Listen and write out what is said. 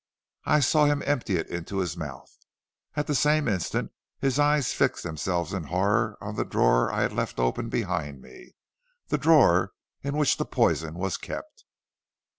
I saw him empty it into his mouth; at the same instant his eyes fixed themselves in horror on the drawer I had left open behind me, the drawer in which the poison was kept.